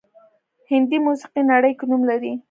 هندي موسیقي نړۍ کې نوم لري